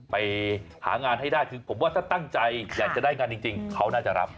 ไปหางานให้ได้คือผมว่าถ้าตั้งใจอยากจะได้งานจริงเขาน่าจะรับ